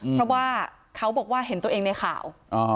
เพราะว่าเขาบอกว่าเห็นตัวเองในข่าว